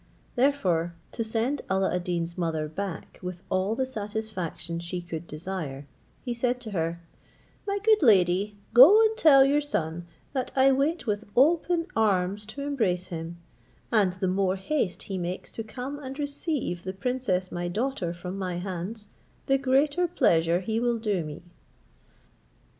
Therefore, to send Alla ad Deen's mother back with all the satisfaction she could desire, he said to her, "My good lady, go and tell your son that I wait with open arms to embrace him, and the more haste he makes to come and receive the princess my daughter from my hands, the greater pleasure he will do me."